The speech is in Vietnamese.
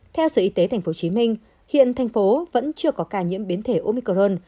theo sở y tế tp hcm hiện tp hcm vẫn chưa có ca nhiễm biến thể omicron